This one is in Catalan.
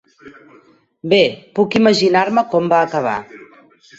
Bé, puc imaginar-me com va acabar.